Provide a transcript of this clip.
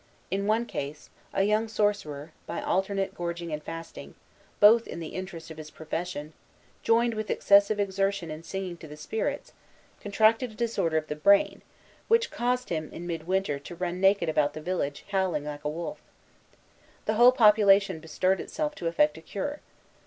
In one case, a young sorcerer, by alternate gorging and fasting, both in the interest of his profession, joined with excessive exertion in singing to the spirits, contracted a disorder of the brain, which caused him, in mid winter, to run naked about the village, howling like a wolf. The whole population bestirred itself to effect a cure.